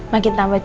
makin tambah cinta